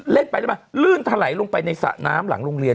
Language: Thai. เล่นไปได้ไหมลื่นทะไหลลงไปในสระน้ำหลังโรงเรียน